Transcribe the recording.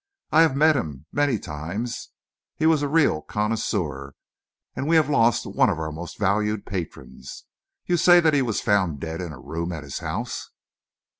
I have met him many times. He was a real connoisseur we have lost one of our most valued patrons. You say that he was found dead in a room at his house?"